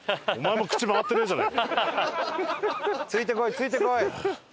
ついてこいついてこい。